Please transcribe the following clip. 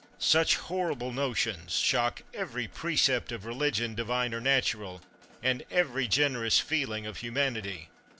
Such horrible notions shock every precept of religion, divine or nat ural, and every generous feeling of humanity.